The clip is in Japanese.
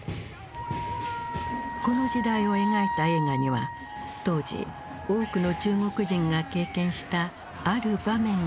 この時代を描いた映画には当時多くの中国人が経験したある場面が描かれている。